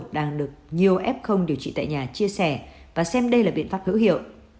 đang được nhiều f điều trị tại nhà chia sẻ và xem đây là biện pháp hữu hiệu